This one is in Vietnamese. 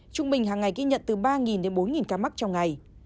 trung bình hàng ngày ghi nhận từ ba đến bốn ca mắc trong ngày